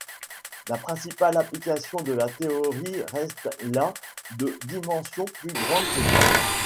La principale application de la théorie reste la de dimension plus grande que quatre.